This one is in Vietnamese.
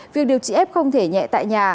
việc điều trị ép không thể nhẹ tại nhà